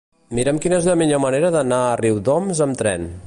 Mira'm quina és la millor manera d'anar a Riudoms amb tren.